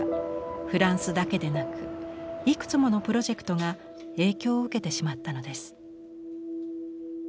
フランスだけでなくいくつものプロジェクトが影響を受けてしまったのです。